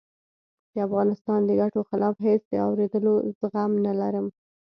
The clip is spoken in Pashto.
د افغانستان د ګټو خلاف هېڅ د آورېدلو زغم نه لرم